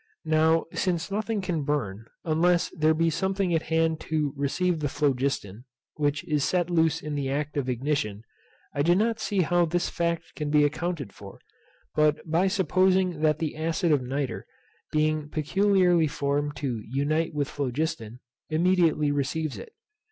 Now since nothing can burn, unless there be something at hand to receive the phlogiston, which is set loose in the act of ignition, I do not see how this fact can be accounted for, but by supposing that the acid of nitre, being peculiarly formed to unite with phlogiston, immediately receives it.